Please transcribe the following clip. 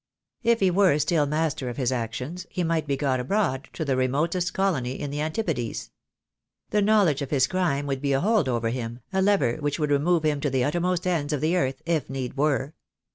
If he were still master of his actions he might be got abroad, to the remotest colony in the Antipodes. The knowledge of his crime would be a hold over him, a lever which would remove him to the uttermost ends of the earth, if need were.